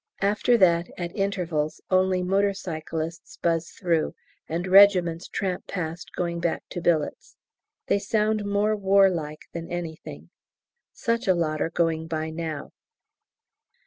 After that, at intervals, only motorcyclists buzz through and regiments tramp past going back to billets. They sound more warlike than anything. Such a lot are going by now.